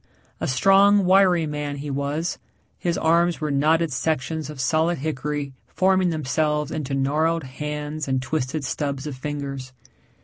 A strong, wiry man he was his arms were knotted sections of solid hickory forming themselves into gnarled hands and twisted stubs of fingers.